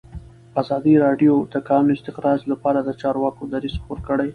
ازادي راډیو د د کانونو استخراج لپاره د چارواکو دریځ خپور کړی.